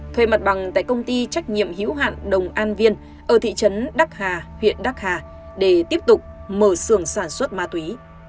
thuê mặt bằng tại công ty trách nhiệm hữu hạn đồng an viên ở thị trấn đắc hà huyện đắc hà để tiếp tục mở xưởng sản xuất ma túy